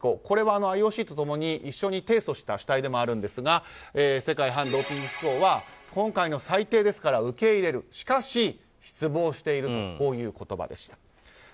これはＩＯＣとともに一緒に提訴した主体でもあるんですが世界反ドーピング機構は今回の裁定ですから受け入れるしかし失望しているという言葉でした。